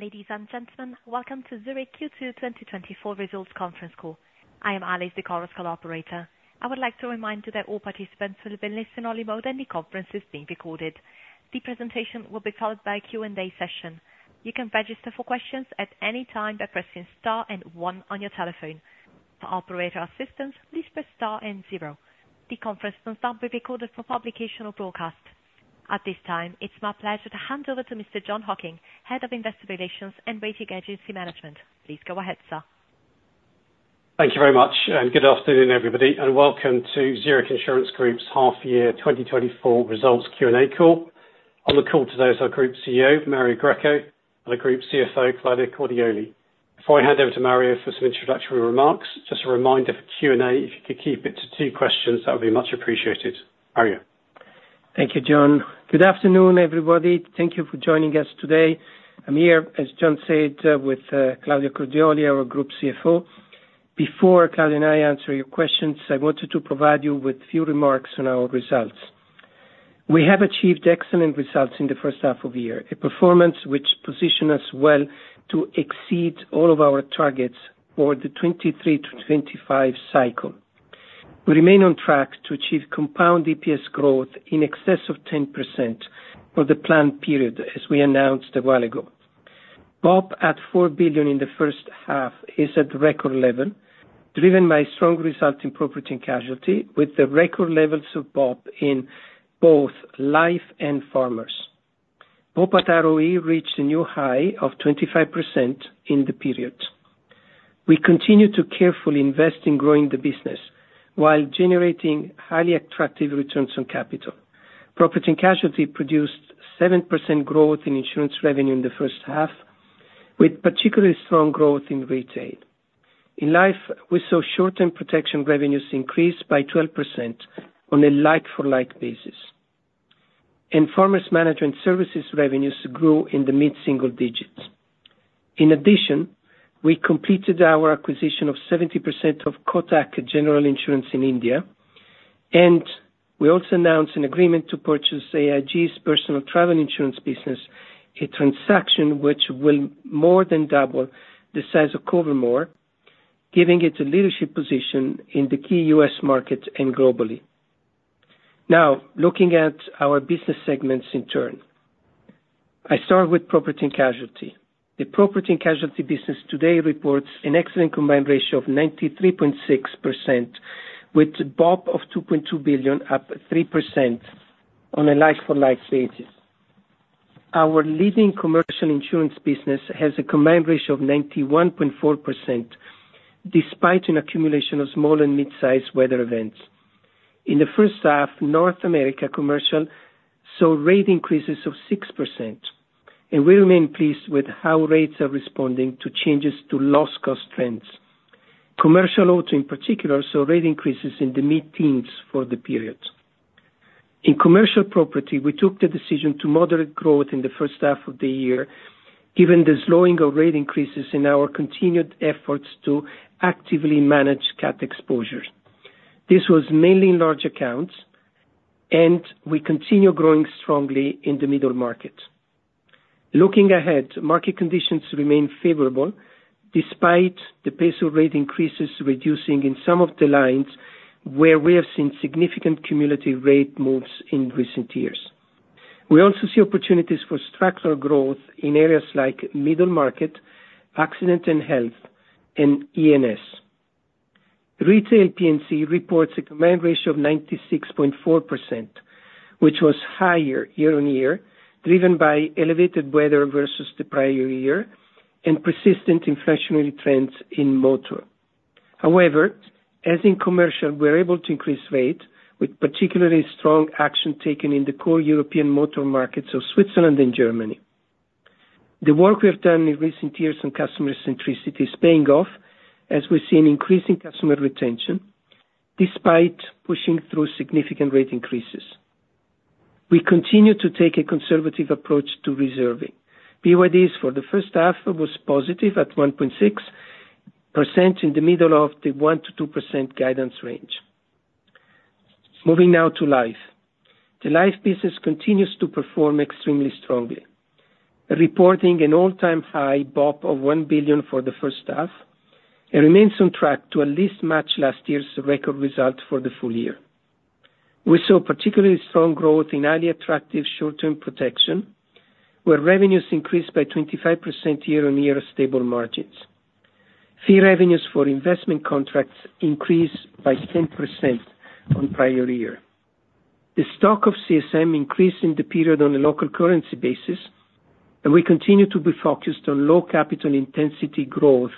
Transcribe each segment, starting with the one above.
Ladies and gentlemen, welcome to Zurich Q2 2024 Results Conference Call. I am Alice, the call's collaborator. I would like to remind you that all participants will be in listen-only mode, and the conference is being recorded. The presentation will be followed by a Q&A session. You can register for questions at any time by pressing star and one on your telephone. For operator assistance, please press star and zero. The conference will not be recorded for publication or broadcast. At this time, it's my pleasure to hand over to Mr. Jon Hocking, Head of Investor Relations and Rating Agency Management. Please go ahead, sir. Thank you very much, and good afternoon, everybody, and welcome to Zurich Insurance Group's half year 2024 results Q&A call. On the call today is our Group CEO, Mario Greco, and the Group CFO, Claudia Cordioli. Before I hand over to Mario for some introductory remarks, just a reminder for Q&A, if you could keep it to two questions, that would be much appreciated. Mario? Thank you, John. Good afternoon, everybody. Thank you for joining us today. I'm here, as John said, with Claudia Cordioli, our Group CFO. Before Claudia and I answer your questions, I wanted to provide you with a few remarks on our results. We have achieved excellent results in the first half of the year, a performance which position us well to exceed all of our targets for the 2023-2025 cycle. We remain on track to achieve compound EPS growth in excess of 10% for the planned period, as we announced a while ago. BOP at 4 billion in the first half is at record level, driven by strong results in Property and Casualty, with the record levels of BOP in both Life and Farmers. BOPAT ROE reached a new high of 25% in the period. We continue to carefully invest in growing the business while generating highly attractive returns on capital. Property and Casualty produced 7% growth in insurance revenue in the first half, with particularly strong growth in Retail. In Life, we saw short-term protection revenues increase by 12% on a like-for-like basis, and Farmers Management Services revenues grew in the mid-single digits. In addition, we completed our acquisition of 70% of Kotak General Insurance in India, and we also announced an agreement to purchase AIG's personal travel insurance business, a transaction which will more than double the size of Cover-More, giving it a leadership position in the key US market and globally. Now, looking at our business segments in turn. I start with Property and Casualty. The Property and Casualty business today reports an excellent combined ratio of 93.6%, with BOP of 2.2 billion, up 3% on a like-for-like basis. Our leading Commercial insurance business has a combined ratio of 91.4%, despite an accumulation of small and mid-sized weather events. In the first half, North America Commercial saw rate increases of 6%, and we remain pleased with how rates are responding to changes to loss cost trends. Commercial auto in particular, saw rate increases in the mid-teens for the period. In Commercial Property, we took the decision to moderate growth in the first half of the year, given the slowing of rate increases in our continued efforts to actively manage cat exposures. This was mainly in large accounts, and we continue growing strongly in the middle market. Looking ahead, market conditions remain favorable, despite the pace of rate increases reducing in some of the lines where we have seen significant cumulative rate moves in recent years. We also see opportunities for structural growth in areas like middle market, Accident and Health, and E&S. Retail P&C reports a combined ratio of 96.4%, which was higher year-on-year, driven by elevated weather versus the prior year and persistent inflationary trends in motor. However, as in Commercial, we're able to increase rates, with particularly strong action taken in the core European motor markets of Switzerland and Germany. The work we have done in recent years on customer centricity is paying off, as we've seen increasing customer retention, despite pushing through significant rate increases. We continue to take a conservative approach to reserving. PYDs for the first half was positive at 1.6% in the middle of the 1%-2% guidance range. Moving now to Life. The Life business continues to perform extremely strongly, reporting an all-time high BOP of 1 billion for the first half, and remains on track to at least match last year's record result for the full year. We saw particularly strong growth in highly attractive short-term protection, where revenues increased by 25% year-on-year stable margins. Fee revenues for investment contracts increased by 10% on prior year. The stock of CSM increased in the period on a local currency basis, and we continue to be focused on low capital intensity growth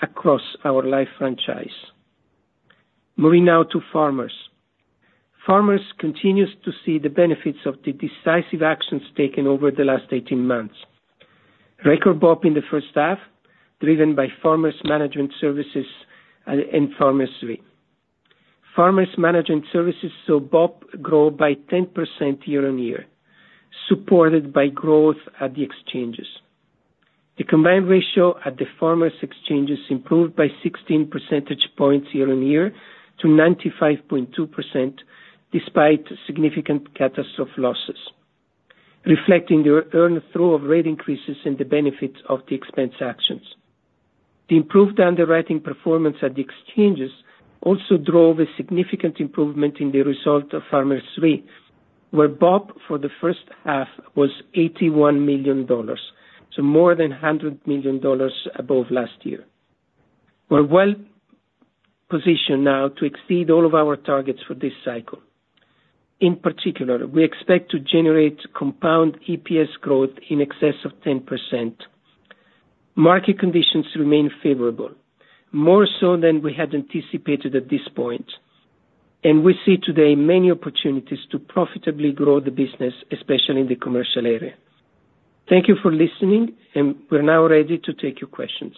across our Life franchise. Moving now to Farmers. Farmers continues to see the benefits of the decisive actions taken over the last 18 months. Record BOP in the first half, driven by Farmers Management Services and Farmers Life. Farmers Management Services saw BOP grow by 10% year-on-year, supported by growth at the exchanges. The combined ratio at the Farmers Exchanges improved by 16 percentage points year-on-year to 95.2%, despite significant catastrophe losses, reflecting the earned through of rate increases and the benefits of the expense actions. The improved underwriting performance at the exchanges also drove a significant improvement in the result of Farmers Re, where BOP for the first half was $81 million, so more than $100 million above last year. We're well positioned now to exceed all of our targets for this cycle. In particular, we expect to generate compound EPS growth in excess of 10%. Market conditions remain favorable, more so than we had anticipated at this point, and we see today many opportunities to profitably grow the business, especially in the commercial area. Thank you for listening, and we're now ready to take your questions.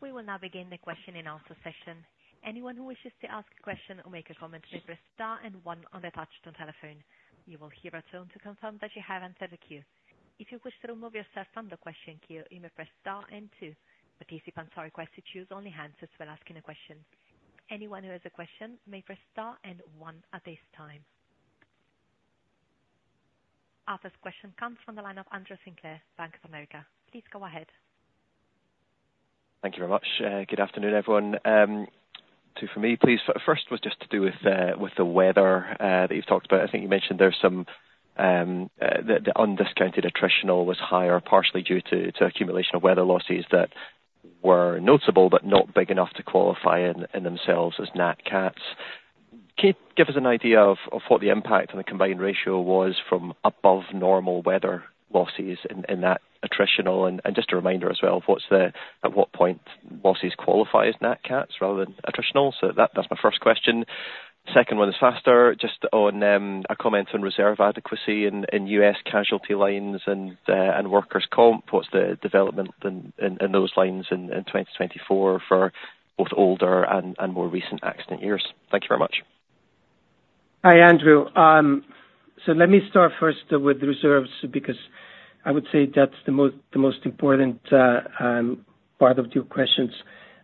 We will now begin the question and answer session. Anyone who wishes to ask a question or make a comment, please press star and one on the touch tone telephone. You will hear a tone to confirm that you have entered the queue. If you wish to remove yourself from the question queue, you may press star and two. Participants are requested to use only answers when asking a question. Anyone who has a question may press star and one at this time. Our first question comes from the line of Andrew Sinclair, Bank of America. Please go ahead. Thank you very much. Good afternoon, everyone. Two for me, please. First was just to do with the weather that you've talked about. I think you mentioned that the undiscounted attritional was higher, partially due to accumulation of weather losses that were noticeable, but not big enough to qualify in themselves as nat cats. Can you give us an idea of what the impact on the combined ratio was from above normal weather losses in that attritional? And just a reminder as well, of at what point losses qualify as nat cats rather than attritional. So that's my first question. Second one is faster, just on a comment on reserve adequacy in U.S. casualty lines and workers' comp. What's the development in those lines in 2024 for both older and more recent accident years? Thank you very much. Hi, Andrew. So let me start first with the reserves, because I would say that's the most, the most important part of your questions.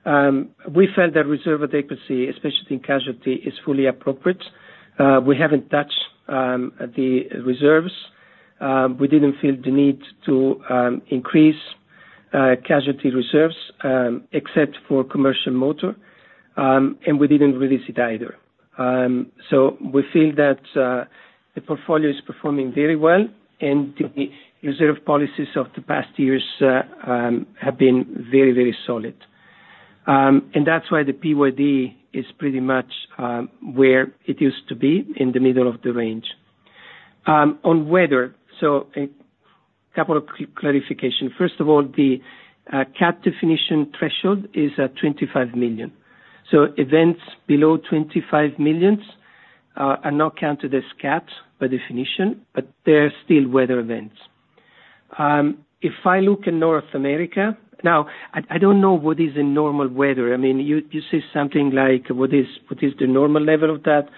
We felt that reserve adequacy, especially in casualty, is fully appropriate. We haven't touched the reserves. We didn't feel the need to increase casualty reserves, except for commercial motor, and we didn't release it either. So we feel that the portfolio is performing very well, and the reserve policies of the past years have been very, very solid. And that's why the PYD is pretty much where it used to be, in the middle of the range. On weather, so a couple of clarification. First of all, the cat definition threshold is at 25 million. So events below $25 million are not counted as cats by definition, but they're still weather events. If I look in North America... Now, I don't know what is normal weather. I mean, you say something like, what is the normal level of that?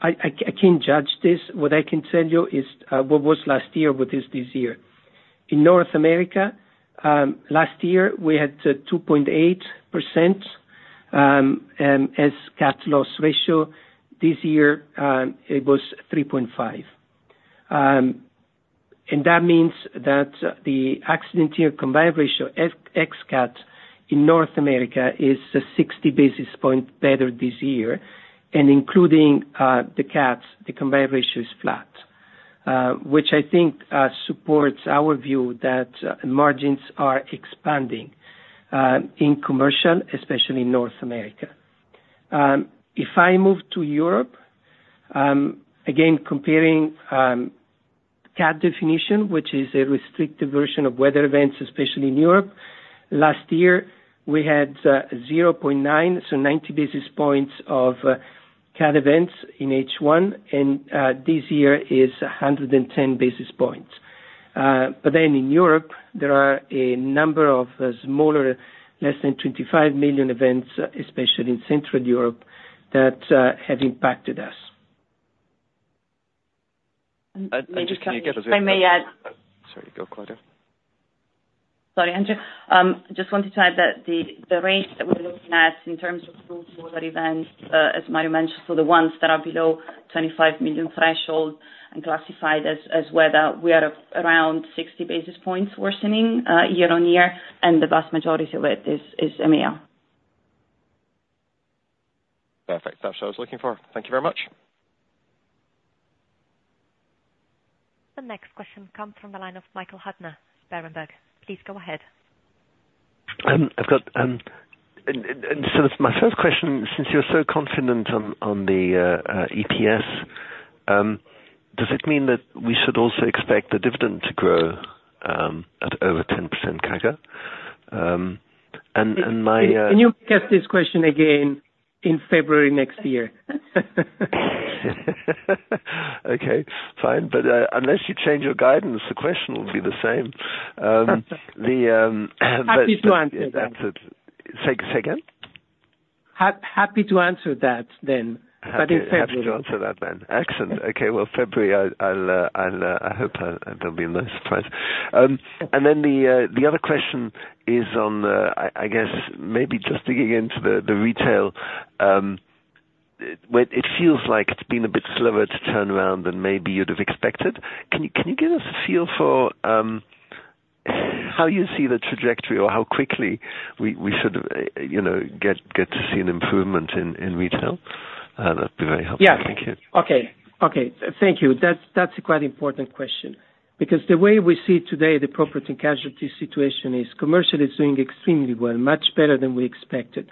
I can't judge this. What I can tell you is what was last year, what is this year. In North America, last year, we had 2.8% as cat loss ratio. This year, it was 3.5%. And that means that the accident year combined ratio, ex cat, in North America, is 60 basis points better this year. And including the cats, the combined ratio is flat, which I think supports our view that margins are expanding in commercial, especially in North America. If I move to Europe, again, comparing, cat definition, which is a restrictive version of weather events, especially in Europe, last year, we had, 0.9, so 90 basis points of, cat events in H1, and, this year is 110 basis points. But then in Europe, there are a number of, smaller, less than 25 million events, especially in Central Europe, that, have impacted us. May I just- If I may add- Sorry, go ahead, Claudia. Sorry, Andrew. I just wanted to add that the range that we're looking at in terms of those smaller events, as Mario mentioned, so the ones that are below 25 million threshold and classified as weather, we are around 60 basis points worsening, year-on-year, and the vast majority of it is EMEA. Perfect. That's what I was looking for. Thank you very much. The next question comes from the line of Michael Huttner, Berenberg. Please go ahead. So my first question, since you're so confident on the EPS, does it mean that we should also expect the dividend to grow at over 10% CAGR? And my- Can you ask this question again in February next year? Okay, fine. But unless you change your guidance, the question will be the same. Happy to answer that. Say, say again?... Happy to answer that then, but in February. Happy to answer that then. Excellent. Okay, well, February, I'll hope there'll be a nice surprise. And then the other question is on the, I guess, maybe just digging into the retail, when it feels like it's been a bit slower to turn around than maybe you'd have expected, can you give us a feel for how you see the trajectory or how quickly we should, you know, get to see an improvement in retail? That'd be very helpful. Yeah. Thank you. Okay. Okay, thank you. That's, that's a quite important question, because the way we see today the property and casualty situation is commercial is doing extremely well, much better than we expected.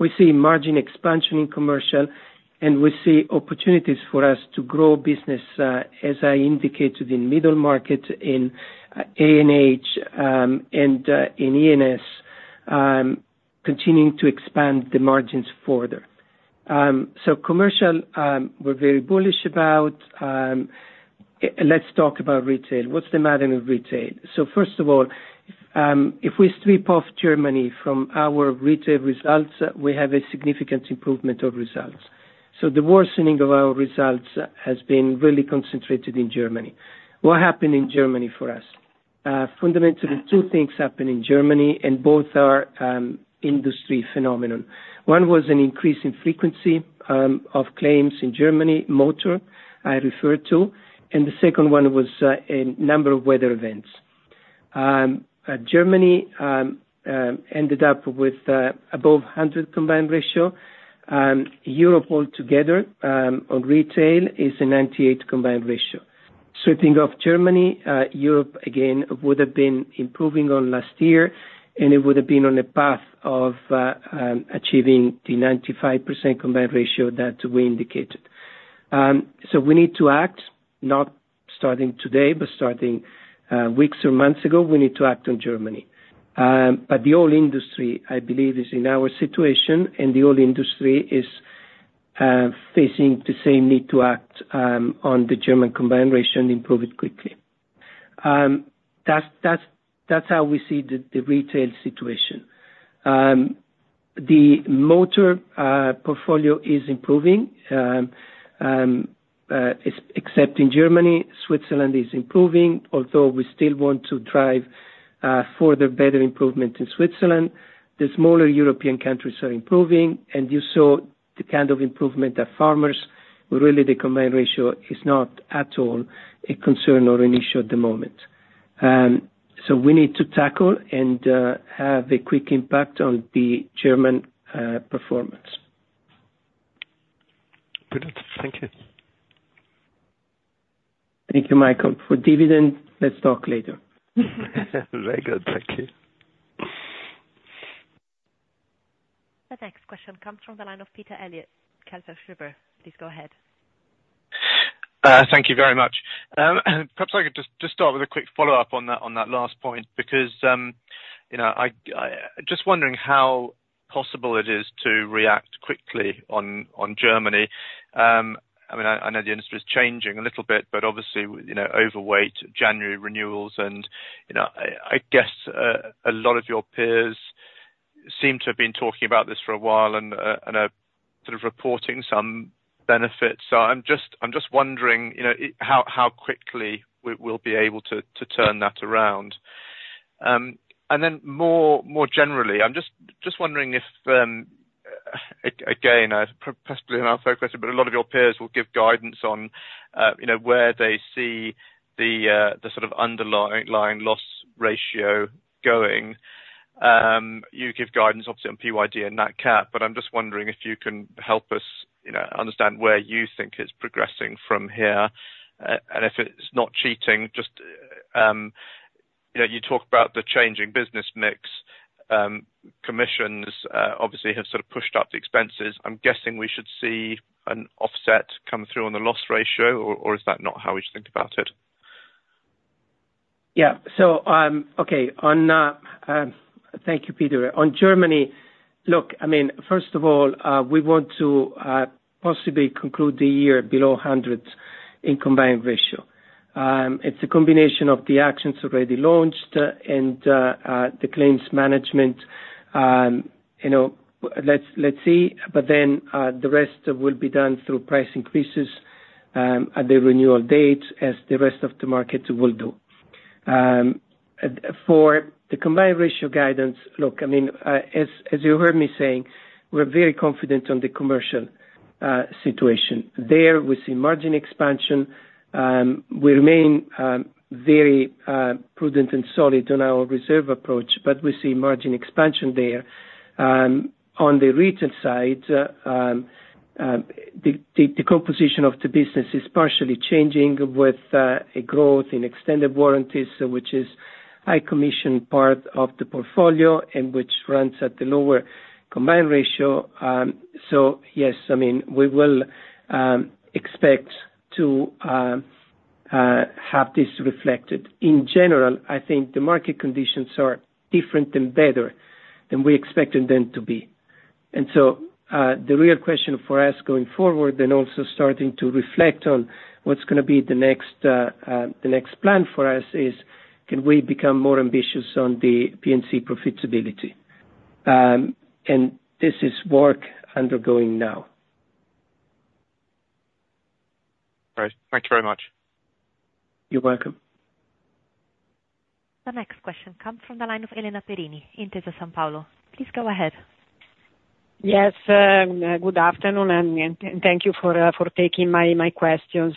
We see margin expansion in commercial, and we see opportunities for us to grow business, as I indicated, in middle market, in A&H, and in E&S, continuing to expand the margins further. So commercial, we're very bullish about. Let's talk about retail. What's the matter with retail? So first of all, if we strip off Germany from our retail results, we have a significant improvement of results. So the worsening of our results has been really concentrated in Germany. What happened in Germany for us? Fundamentally, two things happened in Germany, and both are industry phenomenon. One was an increase in frequency of claims in Germany, motor, I referred to, and the second one was a number of weather events. Germany ended up with above 100 combined ratio. Europe altogether, on retail, is a 98 combined ratio. Excluding Germany, Europe, again, would have been improving on last year, and it would have been on a path of achieving the 95% combined ratio that we indicated. So we need to act, not starting today, but starting weeks or months ago. We need to act on Germany. But the whole industry, I believe, is in our situation, and the whole industry is facing the same need to act on the German combined ratio and improve it quickly. That's, that's, that's how we see the, the retail situation. The motor portfolio is improving. Except in Germany, Switzerland is improving, although we still want to drive further better improvement in Switzerland. The smaller European countries are improving, and you saw the kind of improvement at Farmers, where really the combined ratio is not at all a concern or an issue at the moment. So we need to tackle and have a quick impact on the German performance. Good. Thank you. Thank you, Michael. For dividend, let's talk later. Very good. Thank you. The next question comes from the line of Peter Eliot, Kepler Cheuvreux. Please go ahead. Thank you very much. Perhaps I could just start with a quick follow-up on that last point, because you know, I just wondering how possible it is to react quickly on Germany. I mean, I know the industry is changing a little bit, but obviously, you know, overweight January renewals and, you know, I guess a lot of your peers seem to have been talking about this for a while and are sort of reporting some benefits. So I'm just wondering, you know, how quickly we will be able to turn that around. And then more generally, I'm just wondering if again I perhaps believe in our first question, but a lot of your peers will give guidance on, you know, where they see the sort of underlying loss ratio going. You give guidance, obviously, on PYD and Nat Cat, but I'm just wondering if you can help us, you know, understand where you think it's progressing from here. And if it's not cheating, just you know, you talk about the changing business mix. Commissions obviously have sort of pushed up the expenses. I'm guessing we should see an offset come through on the loss ratio, or is that not how we should think about it? Yeah. So, okay, on... Thank you, Peter. On Germany, look, I mean, first of all, we want to possibly conclude the year below 100 in combined ratio. It's a combination of the actions already launched, and the claims management. You know, let's see, but then the rest will be done through price increases at the renewal date, as the rest of the markets will do. For the combined ratio guidance, look, I mean, as you heard me saying, we're very confident on the commercial situation. There, we see margin expansion. We remain very prudent and solid on our reserve approach, but we see margin expansion there. On the retail side, the composition of the business is partially changing with a growth in extended warranties, which is high commission part of the portfolio and which runs at the lower combined ratio. So yes, I mean, we will expect to have this reflected. In general, I think the market conditions are different and better than we expected them to be. So the real question for us going forward, and also starting to reflect on what's gonna be the next plan for us, is can we become more ambitious on the P&C profitability? And this is work undergoing now. Great. Thank you very much. You're welcome. The next question comes from the line of Elena Perini, Intesa Sanpaolo. Please go ahead. Yes, good afternoon, and thank you for taking my questions.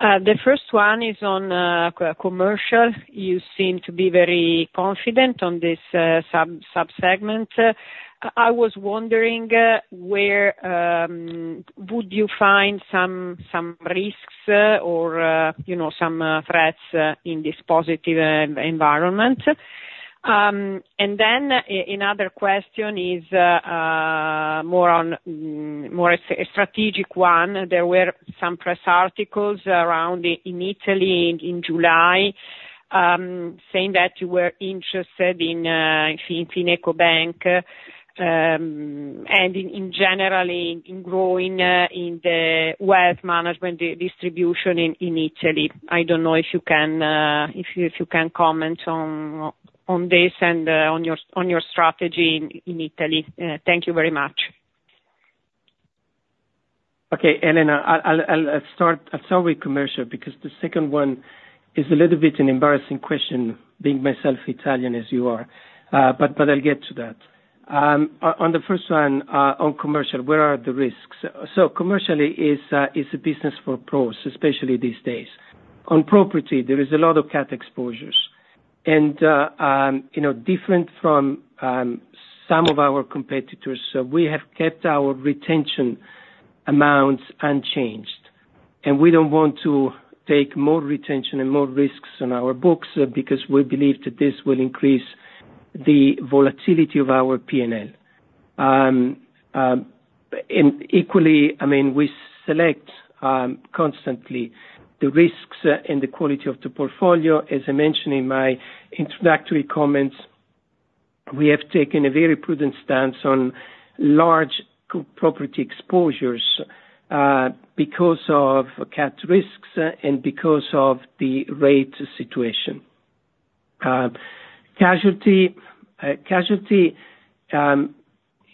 The first one is on commercial. You seem to be very confident on this sub-segment. I was wondering where would you find some risks or you know some threats in this positive environment? And then another question is more of a strategic one. There were some press articles around in Italy in July saying that you were interested in FinecoBank and in general in growing in the wealth management distribution in Italy. I don't know if you can comment on this and on your strategy in Italy. Thank you very much. Okay, Elena, I'll start with commercial, because the second one is a little bit an embarrassing question, being myself Italian, as you are. But I'll get to that. On the first one, on commercial, where are the risks? So commercial is a business for pros, especially these days. On property, there is a lot of cat exposures. And you know, different from some of our competitors, we have kept our retention amounts unchanged, and we don't want to take more retention and more risks on our books, because we believe that this will increase the volatility of our PNL. And equally, I mean, we select constantly the risks and the quality of the portfolio. As I mentioned in my introductory comments, we have taken a very prudent stance on large commercial property exposures, because of cat risks and because of the rate situation. Casualty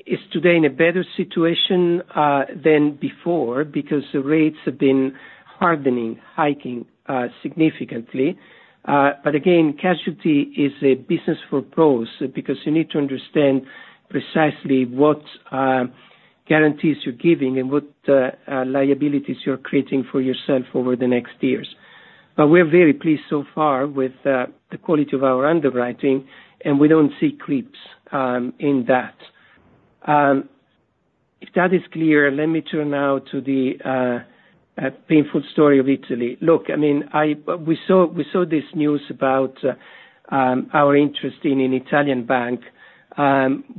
is today in a better situation than before because the rates have been hardening, hiking significantly. But again, casualty is a business for pros, because you need to understand precisely what guarantees you're giving and what liabilities you're creating for yourself over the next years. But we're very pleased so far with the quality of our underwriting, and we don't see creeps in that. If that is clear, let me turn now to the painful story of Italy. Look, I mean, we saw this news about our interest in an Italian bank.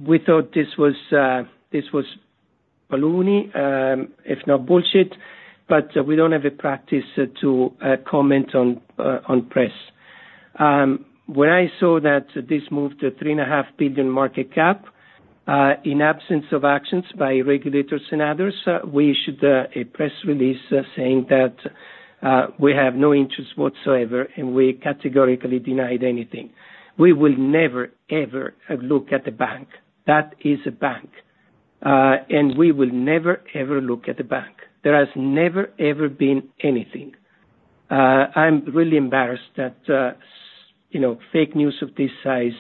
We thought this was baloney, if not bullshit, but we don't have a practice to comment on press. When I saw that this moved to 3.5 billion market cap, in absence of actions by regulators and others, we issued a press release saying that we have no interest whatsoever, and we categorically denied anything. We will never, ever look at the bank. That is a bank, and we will never, ever look at the bank. There has never, ever been anything. I'm really embarrassed that, you know, fake news of this size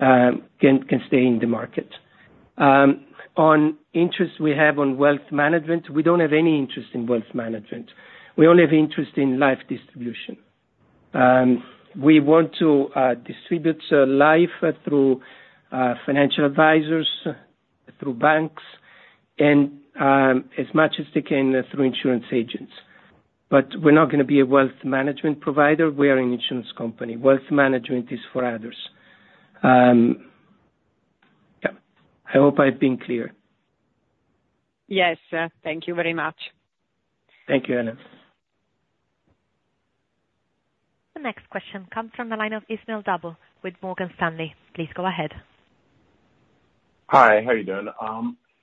can stay in the market. On interest we have on wealth management, we don't have any interest in wealth management. We only have interest in Life distribution. We want to distribute Life through financial advisors, through banks, and as much as they can, through insurance agents. But we're not gonna be a wealth management provider. We are an insurance company. Wealth management is for others. Yeah. I hope I've been clear. Yes, thank you very much. Thank you, Elena. The next question comes from the line of Ismael Dabo with Morgan Stanley. Please go ahead. Hi, how are you doing?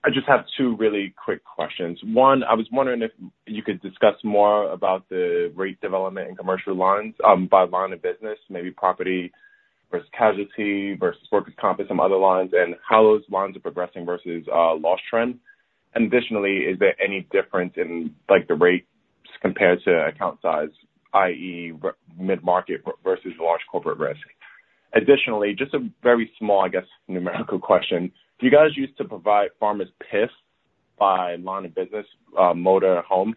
I just have two really quick questions. One, I was wondering if you could discuss more about the rate development in commercial lines, by line of business, maybe property versus casualty versus workers' comp and some other lines, and how those lines are progressing versus loss trend. And additionally, is there any difference in, like, the rates compared to account size, i.e., mid-market versus large corporate risk? Additionally, just a very small, I guess, numerical question: Do you guys use to provide Farmers' PIFs by line of business, motor, home?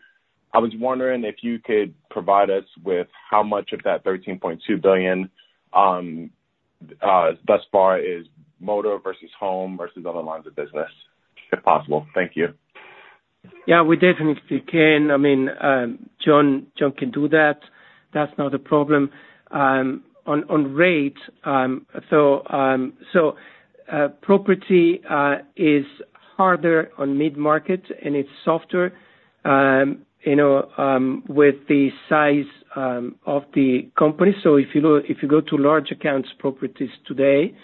I was wondering if you could provide us with how much of that $13.2 billion thus far is motor versus home versus other lines of business, if possible. Thank you. Yeah, we definitely can. I mean, John, John can do that. That's not a problem. On rates, so, property is harder on mid-market and it's softer, you know, with the size of the company. So if you go to large accounts properties today,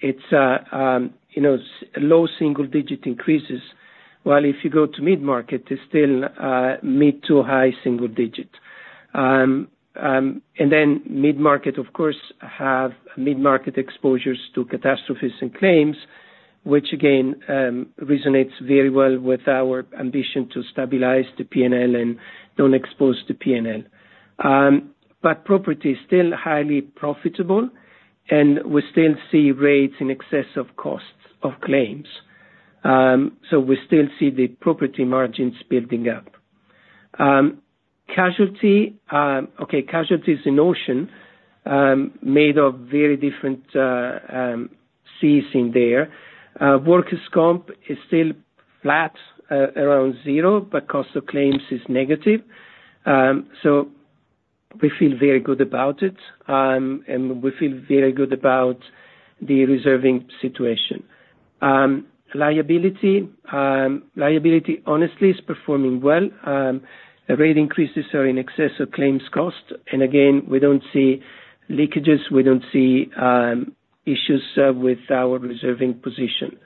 it's you know, low single digit increases, while if you go to mid-market, it's still mid to high single digit. And then mid-market, of course, have mid-market exposures to catastrophes and claims, which again resonates very well with our ambition to stabilize the PNL and don't expose the PNL. But property is still highly profitable, and we still see rates in excess of costs of claims. So we still see the property margins building up. Casualty, okay, casualties in ocean made of very different Cs in there. Workers' comp is still flat around zero, but cost of claims is negative. So we feel very good about it, and we feel very good about the reserving situation. Liability, honestly, is performing well. The rate increases are in excess of claims cost, and again, we don't see leakages, we don't see issues with our reserving position.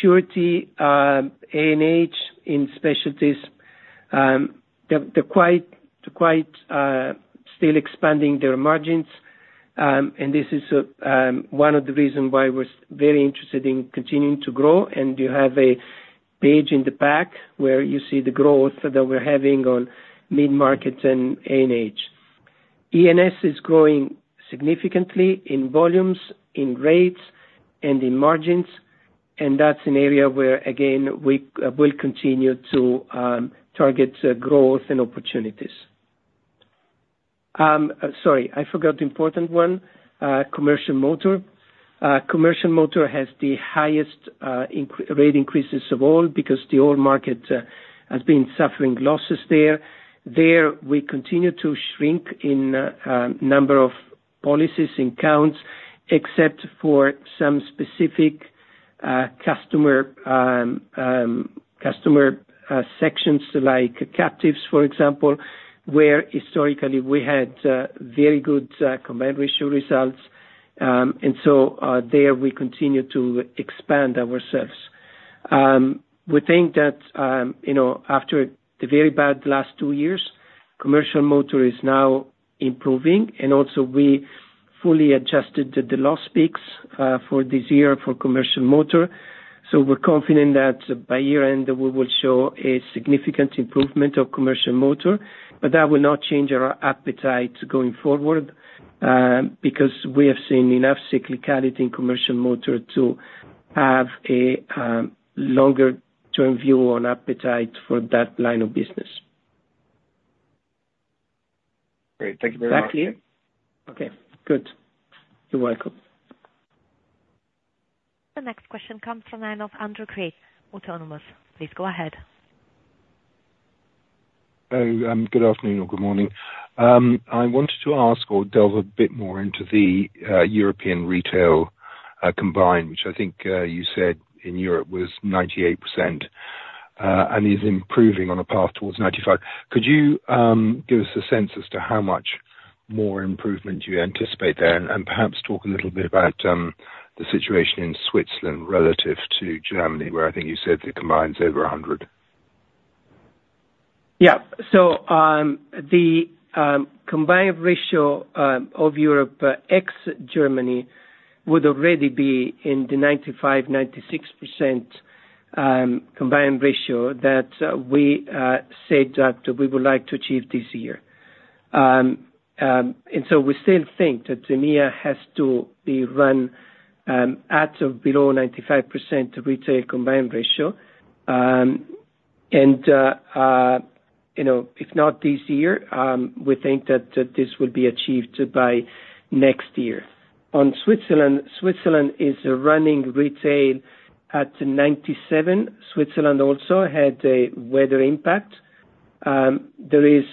Surety, A&H in specialties, they're quite still expanding their margins, and this is one of the reasons why we're very interested in continuing to grow. And you have a page in the back where you see the growth that we're having on mid-markets and A&H. E&S is growing significantly in volumes, in rates, and in margins, and that's an area where, again, we will continue to target growth and opportunities. Sorry, I forgot the important one, commercial motor. Commercial motor has the highest rate increases of all, because the whole market has been suffering losses there. There, we continue to shrink in number of policies and counts, except for some specific customer sections, like captives, for example, where historically we had very good combined ratio results. And so, there we continue to expand ourselves. We think that, you know, after the very bad last two years, commercial motor is now improving, and also we fully adjusted the loss peaks for this year for commercial motor. So we're confident that by year-end, we will show a significant improvement of commercial motor. But that will not change our appetite going forward, because we have seen enough cyclicality in commercial motor to have a longer term view on appetite for that line of business. Great. Thank you very much. Is that clear? Okay, good. You're welcome. The next question comes from the line of Andrew Crean, Autonomous. Please go ahead. Good afternoon or good morning. I wanted to ask or delve a bit more into the European retail combined, which I think you said in Europe was 98%, and is improving on a path towards 95%. Could you give us a sense as to how much more improvement you anticipate there, and perhaps talk a little bit about the situation in Switzerland relative to Germany, where I think you said the combined's over 100%? Yeah. So, the combined ratio of Europe ex Germany would already be in the 95-96% combined ratio that we said that we would like to achieve this year. And so we still think that the EMEA has to be run at or below 95% retail combined ratio. And you know, if not this year, we think that this will be achieved by next year. On Switzerland, Switzerland is running retail at 97. Switzerland also had a weather impact. There is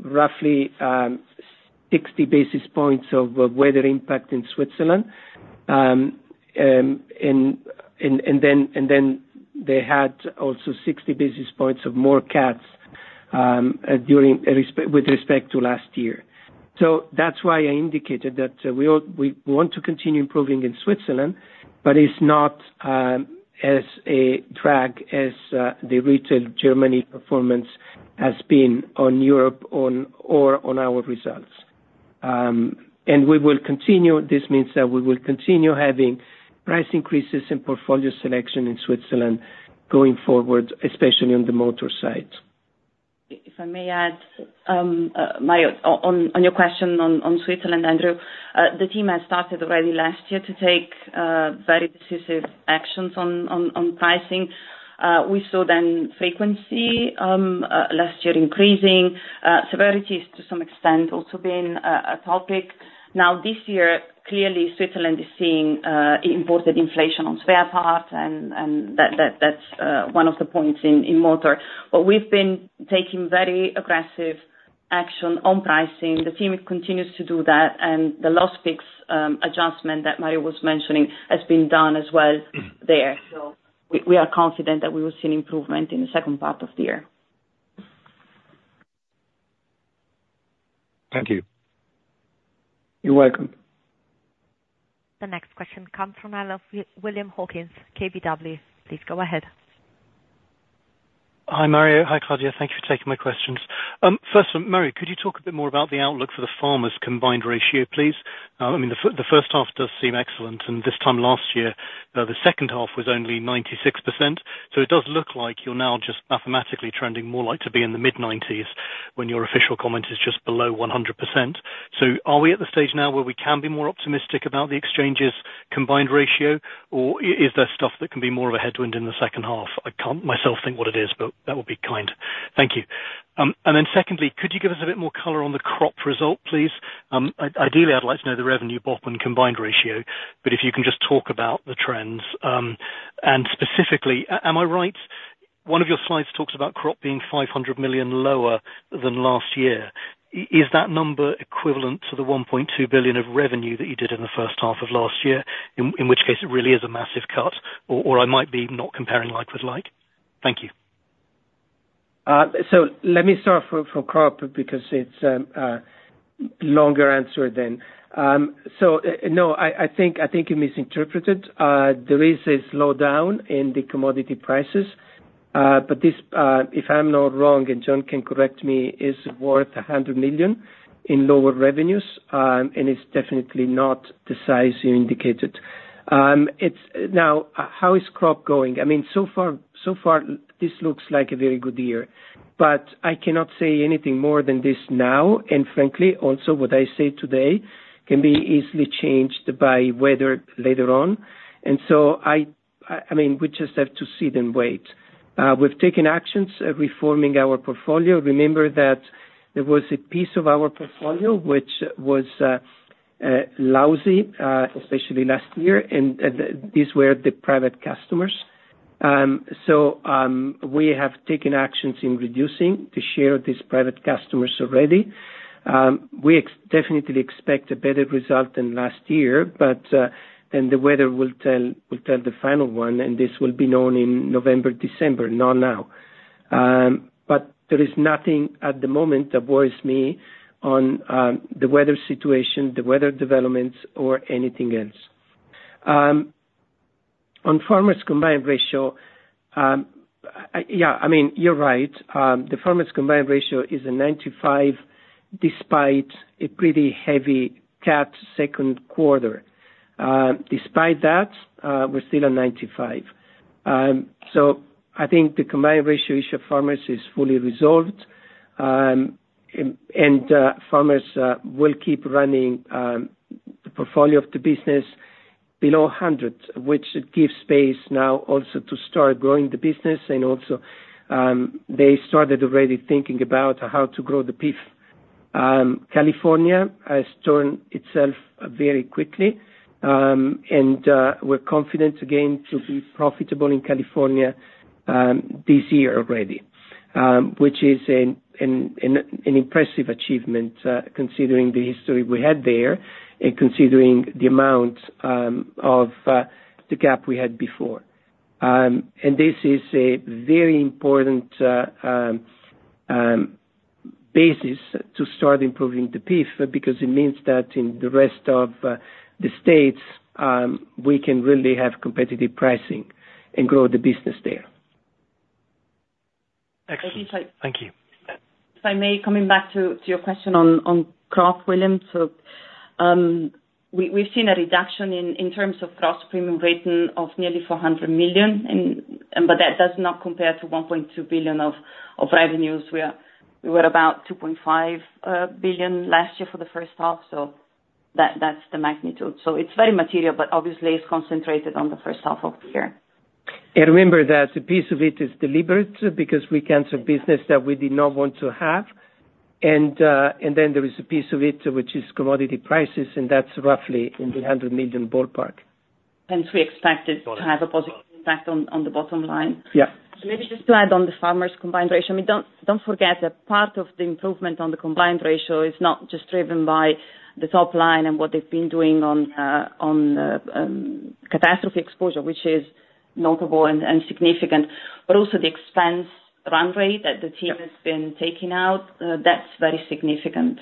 roughly 60 basis points of weather impact in Switzerland. And then they had also 60 basis points of more cats with respect to last year. So that's why I indicated that we want to continue improving in Switzerland, but it's not as a drag as the retail Germany performance has been on Europe, or on our results. And we will continue, this means that we will continue having price increases in portfolio selection in Switzerland going forward, especially on the motor side. If I may add, Mario, on your question on Switzerland, Andrew, the team has started already last year to take very decisive actions on pricing. We saw then frequency last year increasing, severities to some extent also being a topic. Now, this year, clearly Switzerland is seeing imported inflation on spare parts, and that that's one of the points in motor. But we've been taking very aggressive action on pricing. The team continues to do that, and the last fix adjustment that Mario was mentioning has been done as well there. So we are confident that we will see an improvement in the second part of the year. Thank you. You're welcome. The next question comes from the line of William Hawkins, KBW. Please go ahead. Hi, Mario. Hi, Claudia. Thank you for taking my questions. First, Mario, could you talk a bit more about the outlook for the Farmers combined ratio, please? I mean, the first half does seem excellent, and this time last year, the second half was only 96%. So it does look like you're now just mathematically trending more like to be in the mid-90s, when your official comment is just below 100%. So are we at the stage now where we can be more optimistic about the exchanges combined ratio, or is there stuff that can be more of a headwind in the second half? I can't myself think what it is, but that would be kind. Thank you. And then secondly, could you give us a bit more color on the crop result, please? Ideally, I'd like to know the revenue BOP and combined ratio, but if you can just talk about the trends, and specifically, am I right, one of your slides talks about crop being 500 million lower than last year. Is that number equivalent to the 1.2 billion of revenue that you did in the first half of last year? In which case, it really is a massive cut or I might be not comparing like with like. Thank you. So let me start from crop, because it's a longer answer than... So, no, I think you misinterpreted. There is a slowdown in the commodity prices, but this, if I'm not wrong, and John can correct me, is worth 100 million in lower revenues, and it's definitely not the size you indicated. It's— Now, how is crop going? I mean, so far, this looks like a very good year, but I cannot say anything more than this now, and frankly, also, what I say today can be easily changed by weather later on. And so I mean, we just have to see then wait. We've taken actions of reforming our portfolio. Remember that there was a piece of our portfolio which was lousy, especially last year, and these were the private customers. So, we have taken actions in reducing the share of these private customers already. We definitely expect a better result than last year, but, and the weather will tell the final one, and this will be known in November, December, not now. But there is nothing at the moment that worries me on the weather situation, the weather developments, or anything else. On Farmers' combined ratio, yeah, I mean, you're right. The Farmers' combined ratio is 95, despite a pretty heavy cat second quarter. Despite that, we're still at 95. So I think the combined ratio issue of Farmers is fully resolved, and Farmers will keep running the portfolio of the business below 100, which gives space now also to start growing the business and also, they started already thinking about how to grow the PIF. California has turned itself very quickly, and we're confident again to be profitable in California, this year already, which is an impressive achievement, considering the history we had there and considering the amount of the gap we had before. And this is a very important basis to start improving the PIF, because it means that in the rest of the states, we can really have competitive pricing and grow the business there. Excellent. Thank you. If I may, coming back to your question on crop, William. So, we've seen a reduction in terms of gross premium written of nearly 400 million, and but that does not compare to 1.2 billion of revenues. We were about 2.5 billion last year for the first half, so that's the magnitude. So it's very material, but obviously it's concentrated on the first half of the year. And remember that a piece of it is deliberate, because we canceled business that we did not want to have. And then there is a piece of it which is commodity prices, and that's roughly in the 100 million ballpark. Hence, we expect it to have a positive impact on the bottom line. Yeah. So maybe just to add on the Farmers' combined ratio. I mean, don't, don't forget that part of the improvement on the combined ratio is not just driven by the top line and what they've been doing on catastrophe exposure, which is notable and significant, but also the expense run rate that the team has been taking out, that's very significant.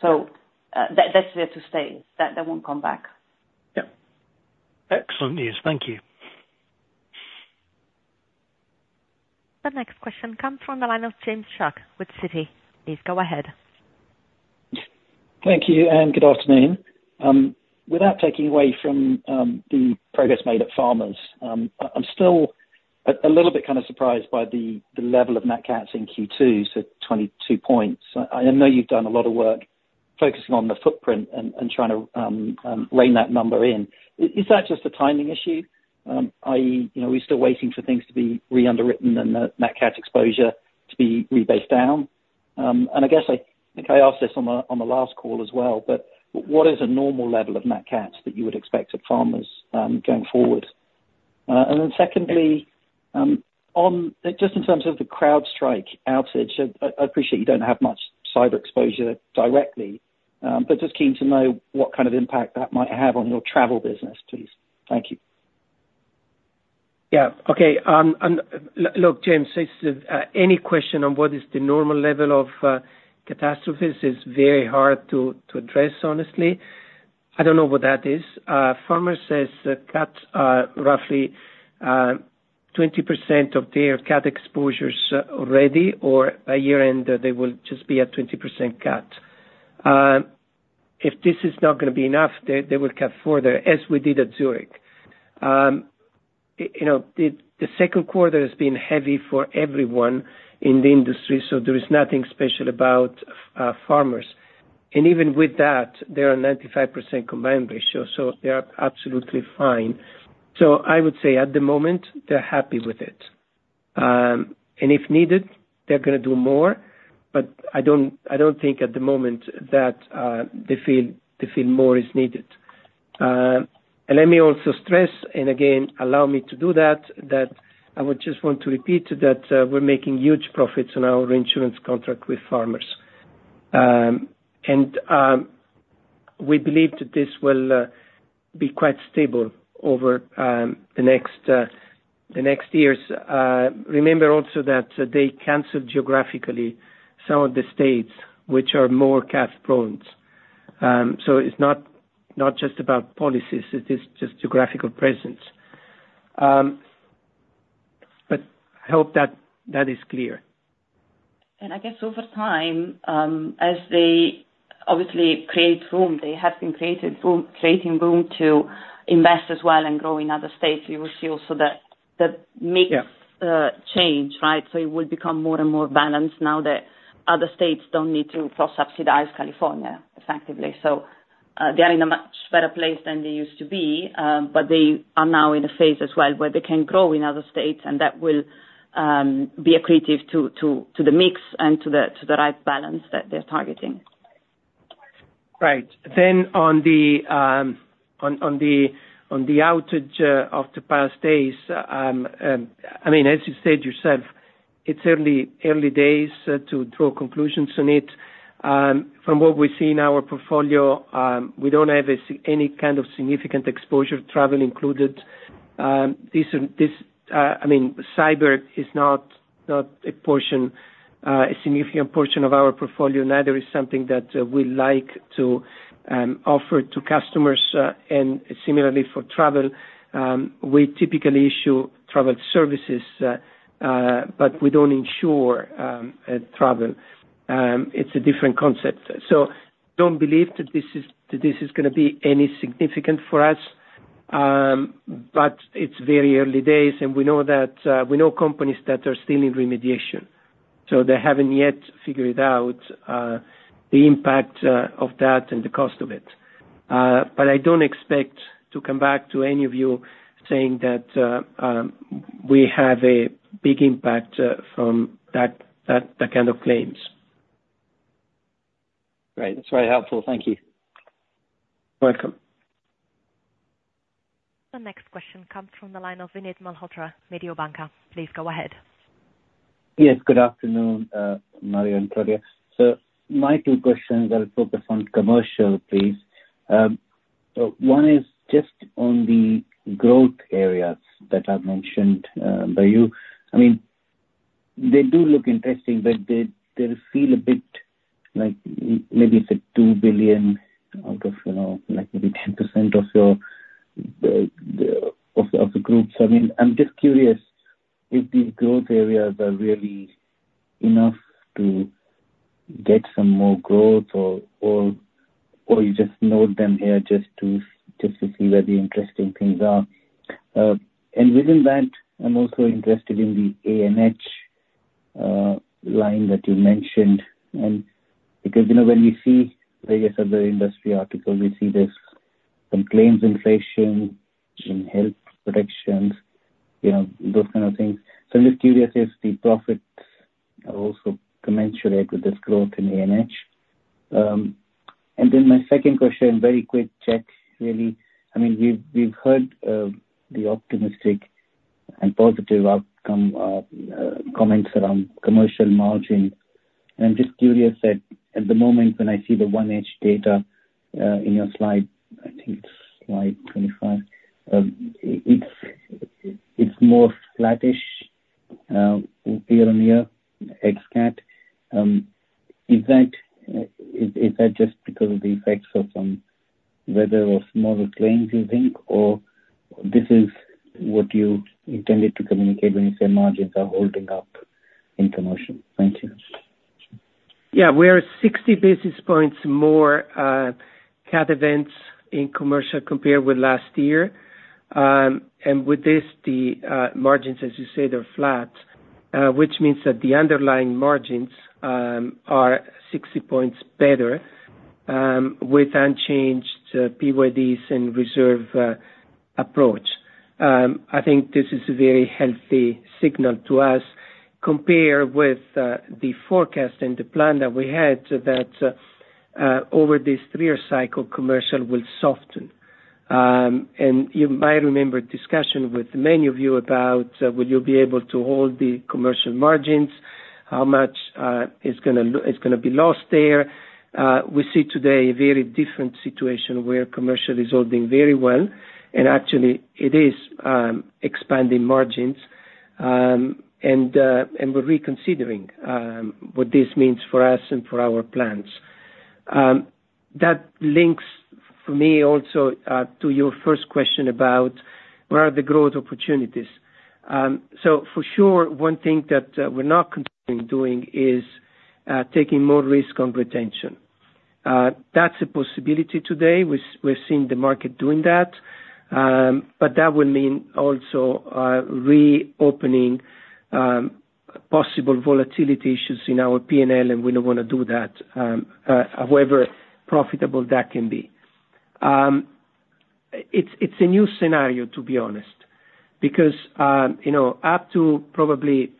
So, that, that's there to stay, that, that won't come back. Yeah. Excellent news. Thank you. The next question comes from the line of James Shuck with Citi. Please go ahead. Thank you, and good afternoon. Without taking away from the progress made at Farmers, I'm still a little bit kind of surprised by the level of Nat Cats in Q2, so 22 points. I know you've done a lot of work focusing on the footprint and trying to rein that number in. Is that just a timing issue? I.e., you know, we're still waiting for things to be re-underwritten and the net cat exposure to be rebased down. And I guess, I think I asked this on the last call as well, but what is a normal level of Nat Cats that you would expect of Farmers going forward? And then secondly, on... Just in terms of the CrowdStrike outage, I appreciate you don't have much cyber exposure directly, but just keen to know what kind of impact that might have on your travel business, please. Thank you.... Yeah. Okay, and look, James, it's any question on what is the normal level of catastrophes is very hard to address, honestly. I don't know what that is. Farmers says that CAT roughly 20% of their CAT exposures already, or by year end, they will just be at 20% CAT. If this is not gonna be enough, they will cut further, as we did at Zurich. You know, the second quarter has been heavy for everyone in the industry, so there is nothing special about Farmers. And even with that, they are 95% combined ratio, so they are absolutely fine. So I would say at the moment, they're happy with it. If needed, they're gonna do more, but I don't, I don't think at the moment that they feel, they feel more is needed. Let me also stress, and again, allow me to do that, that I would just want to repeat that we're making huge profits on our reinsurance contract with Farmers. We believe that this will be quite stable over the next, the next years. Remember also that they canceled geographically some of the states which are more CAT prone. So it's not, not just about policies, it is just geographical presence. But I hope that, that is clear. I guess over time, as they obviously create room, they have been created room, creating room to invest as well and grow in other states, you will see also that, that mix- Yeah. Change, right? So it will become more and more balanced now that other states don't need to cross-subsidize California, effectively. So, they are in a much better place than they used to be, but they are now in a phase as well where they can grow in other states, and that will be accretive to the mix and to the right balance that they're targeting. Right. Then on the outage of the past days, I mean, as you said yourself, it's early days to draw conclusions on it. From what we see in our portfolio, we don't have any kind of significant exposure, travel included. This, I mean, cyber is not a significant portion of our portfolio. Neither is something that we like to offer to customers, and similarly for travel, we typically issue travel services, but we don't insure travel. It's a different concept. So don't believe that this is, that this is gonna be any significant for us, but it's very early days, and we know that, we know companies that are still in remediation, so they haven't yet figured out, the impact, of that and the cost of it. But I don't expect to come back to any of you saying that, we have a big impact, from that, that, that kind of claims. Great. That's very helpful. Thank you. Welcome. The next question comes from the line of Vinit Malhotra, Mediobanca. Please go ahead. Yes, good afternoon, Mario and Claudia. So my two questions are focused on commercial, please. One is just on the growth areas that are mentioned by you. I mean, they do look interesting, but they feel a bit like maybe it's 2 billion out of, you know, like maybe 10% of your of the group's. I mean, I'm just curious if these growth areas are really enough to get some more growth or you just note them here just to see where the interesting things are. And within that, I'm also interested in the A&H line that you mentioned, and because, you know, when you see various other industry articles, we see there's some claims inflation in health protections, you know, those kind of things. So I'm just curious if the profits are also commensurate with this growth in A&H? And then my second question, very quick check, really. I mean, we've, we've heard, the optimistic and positive outcome, comments around commercial margin. And I'm just curious that at the moment, when I see the 1H data, in your slide, I think it's slide 25, it's, it's more flattish, year-over-year, ex cat. Is that, is, is that just because of the effects of some weather or smaller claims, you think? Or this is what you intended to communicate when you say margins are holding up in commercial. Thank you. Yeah, we are 60 basis points more CAT events in commercial compared with last year. And with this, the margins, as you say, they're flat, which means that the underlying margins are 60 points better with unchanged PYDs and reserve approach. I think this is a very healthy signal to us compared with the forecast and the plan that we had, that over this three-year cycle, commercial will soften. And you might remember discussion with many of you about will you be able to hold the commercial margins? How much is gonna be lost there. We see today a very different situation where commercial is all doing very well, and actually it is expanding margins. And we're reconsidering what this means for us and for our plans. That links for me also to your first question about where are the growth opportunities? So for sure, one thing that we're not considering doing is taking more risk on retention. That's a possibility today. We, we've seen the market doing that, but that will mean also reopening possible volatility issues in our PNL, and we don't wanna do that, however profitable that can be. It's, it's a new scenario, to be honest, because you know, up to probably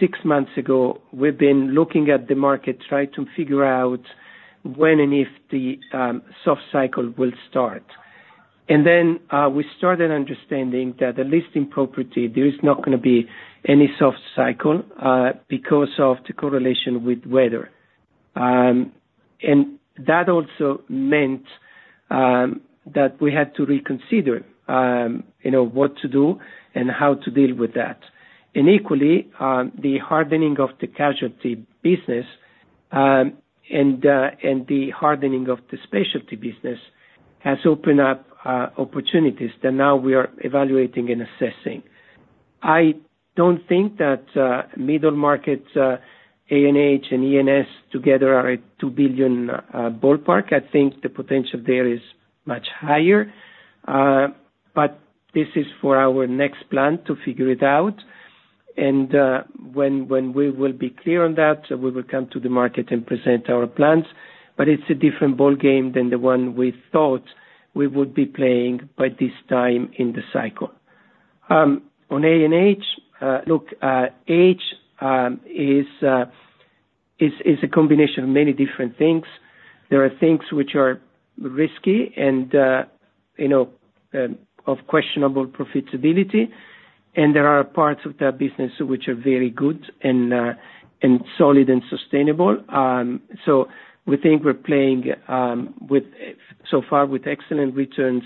six months ago, we've been looking at the market, trying to figure out when and if the soft cycle will start. And then we started understanding that the leasing property, there is not gonna be any soft cycle, because of the correlation with weather. And that also meant that we had to reconsider, you know, what to do and how to deal with that. And equally, the hardening of the casualty business, and the hardening of the specialty business has opened up opportunities that now we are evaluating and assessing. I don't think that middle market, A&H and E&S together are a 2 billion ballpark. I think the potential there is much higher, but this is for our next plan to figure it out. And when we will be clear on that, we will come to the market and present our plans, but it's a different ballgame than the one we thought we would be playing by this time in the cycle. On A&H, look, A&H is a combination of many different things. There are things which are risky and, you know, of questionable profitability, and there are parts of that business which are very good and, and solid and sustainable. So we think we're playing, with so far with excellent returns,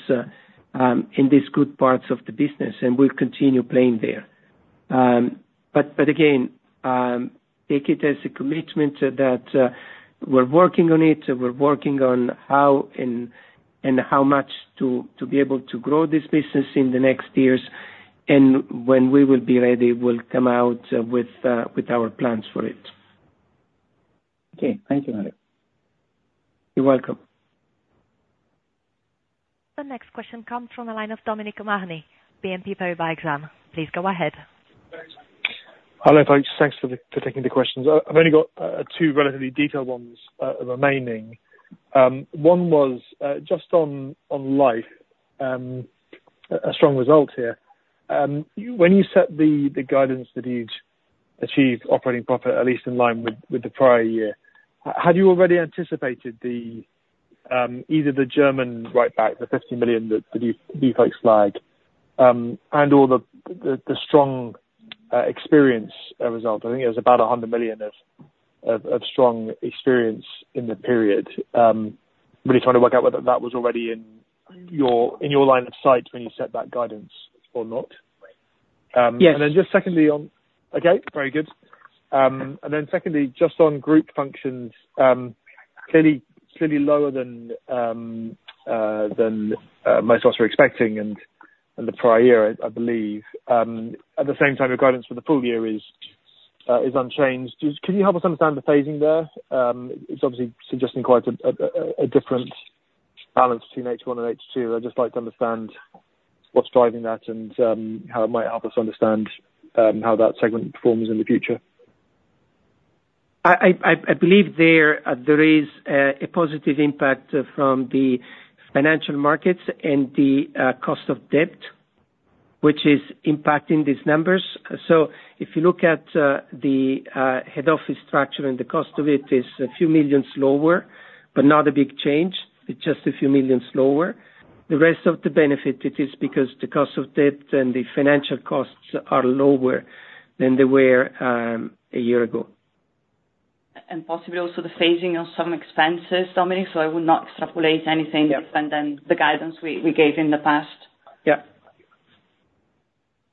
in these good parts of the business, and we'll continue playing there. But, but again, take it as a commitment that, we're working on it, we're working on how and, and how much to, to be able to grow this business in the next years. And when we will be ready, we'll come out with, with our plans for it. Okay, thank you, Mario. You're welcome. The next question comes from a line of Dominic O'Mahony, BNP Paribas Exane. Please go ahead. Hello, folks. Thanks for taking the questions. I've only got two relatively detailed ones remaining. One was just on Life, a strong result here. When you set the guidance that you'd achieve operating profit, at least in line with the prior year, had you already anticipated the, either the German write back, the 50 million that you folks flagged, and/or the strong experience result? I think it was about 100 million of strong experience in the period. Really trying to work out whether that was already in your line of sight when you set that guidance or not. Yes. And then just secondly on... Okay, very good. And then secondly, just on group functions, clearly lower than most of us were expecting and the prior year, I believe. At the same time, your guidance for the full year is unchanged. Just, can you help us understand the phasing there? It's obviously suggesting quite a different balance between H1 and H2. I'd just like to understand what's driving that and how it might help us understand how that segment performs in the future. I believe there is a positive impact from the financial markets and the cost of debt, which is impacting these numbers. So if you look at the head office structure and the cost of it, is a few million CHF lower, but not a big change, it's just a few million CHF lower. The rest of the benefit, it is because the cost of debt and the financial costs are lower than they were a year ago. Possibly also the phasing of some expenses, Dominic, so I would not extrapolate anything- Yeah. different than the guidance we gave in the past. Yeah.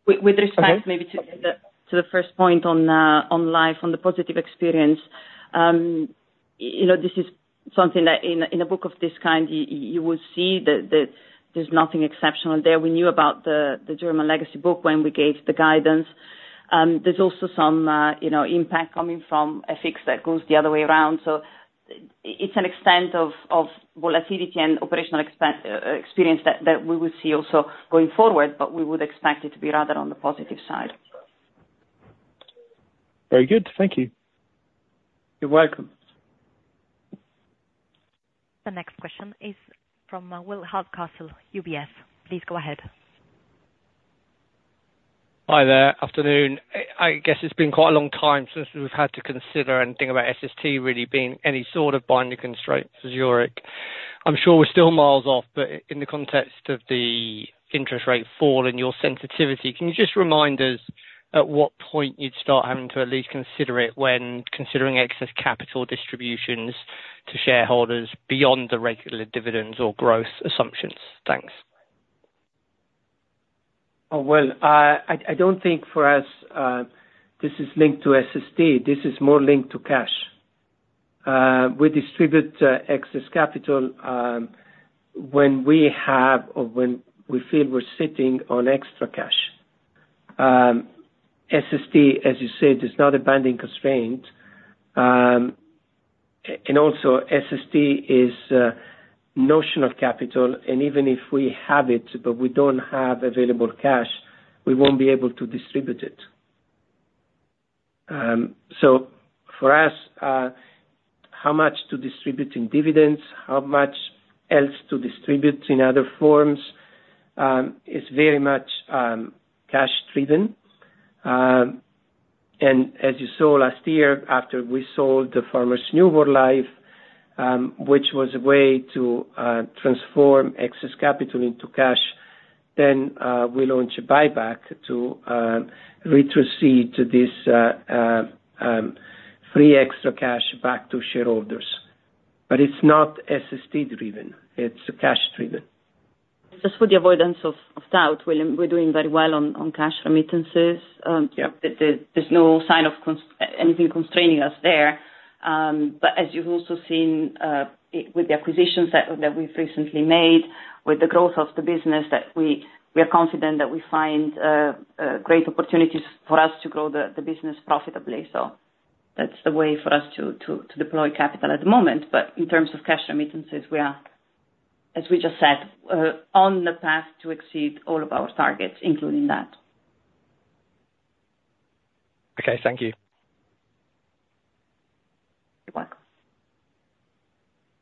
W-with respect- Okay. Maybe to the first point on Life, on the positive experience, you know, this is something that in a book of this kind, you will see that there's nothing exceptional there. We knew about the German legacy book when we gave the guidance. There's also some, you know, impact coming from FX that goes the other way around. So it's an extent of volatility and operational experience that we will see also going forward, but we would expect it to be rather on the positive side. Very good. Thank you. You're welcome. The next question is from Will Hardcastle, UBS. Please go ahead. Hi there. Afternoon. I guess it's been quite a long time since we've had to consider anything about SST really being any sort of binding constraint for Zurich.... I'm sure we're still miles off, but in the context of the interest rate fall and your sensitivity, can you just remind us at what point you'd start having to at least consider it when considering excess capital distributions to shareholders beyond the regular dividends or growth assumptions? Thanks. Oh, well, I don't think for us this is linked to SST. This is more linked to cash. We distribute excess capital when we have or when we feel we're sitting on extra cash. SST, as you said, is not a binding constraint. And also SST is a notion of capital, and even if we have it, but we don't have available cash, we won't be able to distribute it. So for us, how much to distribute in dividends, how much else to distribute in other forms, is very much cash driven. As you saw last year, after we sold the Farmers New World Life, which was a way to transform excess capital into cash, then we launched a buyback to retrace this free extra cash back to shareholders. But it's not SST driven. It's cash driven. Just for the avoidance of doubt, William, we're doing very well on cash remittances. Yeah. There's no sign of anything constraining us there. But as you've also seen, with the acquisitions that we've recently made, with the growth of the business, that we are confident that we find great opportunities for us to grow the business profitably. So that's the way for us to deploy capital at the moment. But in terms of cash remittances, we are, as we just said, on the path to exceed all of our targets, including that. Okay, thank you. You're welcome.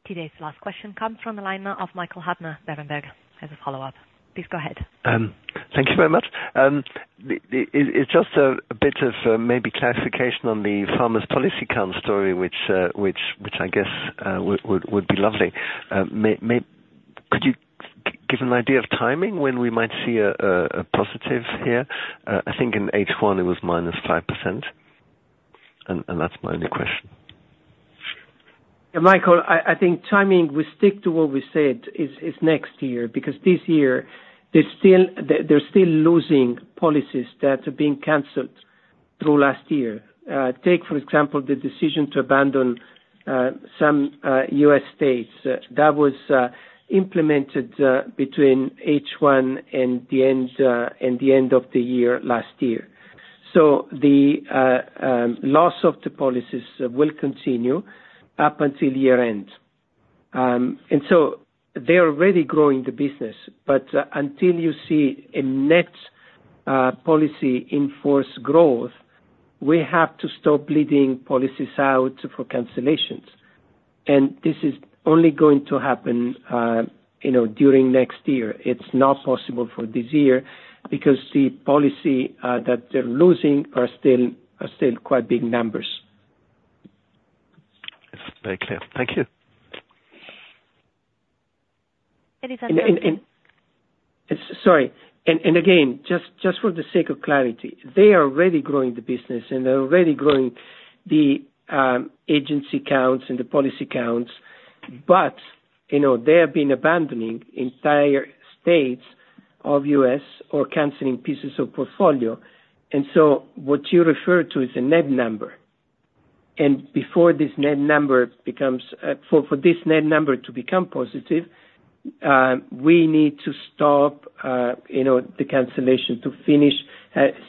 Today's last question comes from the line of Michael Huttner, Berenberg. As a follow-up, please go ahead. Thank you very much. It's just a bit of maybe clarification on the Farmers Policy count story, which I guess would be lovely. Could you give an idea of timing when we might see a positive here? I think in H1 it was -5%, and that's my only question. Yeah, Michael, I think timing, we stick to what we said, is next year. Because this year, they're still losing policies that are being canceled through last year. Take, for example, the decision to abandon some US states. That was implemented between H1 and the end of the year, last year. So the loss of the policies will continue up until year end. And so they are already growing the business, but until you see a net policy in force growth, we have to stop leading policies out for cancellations. And this is only going to happen, you know, during next year. It's not possible for this year because the policy that they're losing are still quite big numbers. It's very clear. Thank you. Any other- Sorry. And again, just for the sake of clarity, they are already growing the business, and they're already growing the agency counts and the policy counts. But, you know, they have been abandoning entire states of US or canceling pieces of portfolio. And so what you refer to is a net number, and before this net number becomes... For this net number to become positive, we need to stop, you know, the cancellation, to finish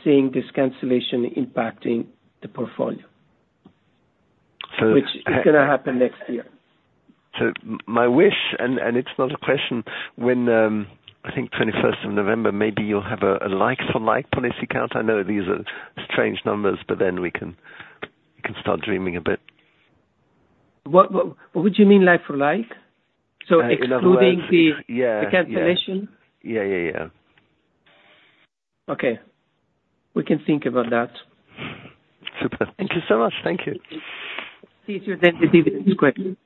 seeing this cancellation impacting the portfolio- So- which is gonna happen next year. So my wish, and it's not a question, when I think 21st of November, maybe you'll have a like-for-like policy count. I know these are strange numbers, but then we can start dreaming a bit. What would you mean like for like? In other words- Excluding the- Yeah... the cancellation? Yeah, yeah, yeah. Okay. We can think about that. Super. Thank you so much. Thank you. Easier than the dividends question.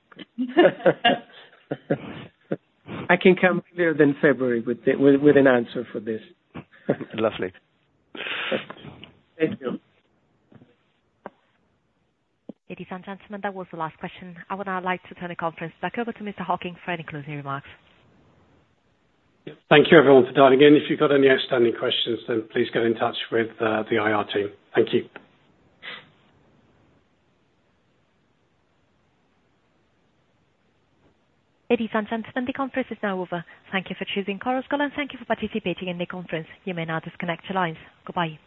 I can come earlier than February with an answer for this. Lovely. Thank you. Ladies and gentlemen, that was the last question. I would now like to turn the conference back over to Mr. Hocking for any closing remarks. Yep. Thank you, everyone, for dialing in. If you've got any outstanding questions, then please get in touch with the IR team. Thank you. Ladies and gentlemen, the conference is now over. Thank you for choosing Chorus Call, and thank you for participating in the conference. You may now disconnect your lines. Goodbye.